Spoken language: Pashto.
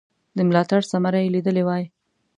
د ملاتړ ثمره یې لیدلې وای.